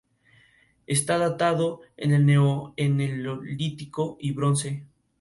Hewlett estuvo muy poco involucrado en la película.